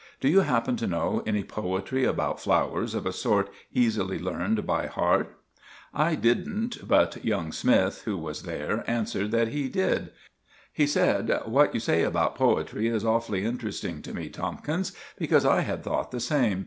Do you happen to know any poetry about flowers of a sort easily learned by heart?" I didn't; but young Smythe, who was there, answered that he did. He said, "What you say about poetry is awfully interesting to me, Tomkins, because I had thought the same.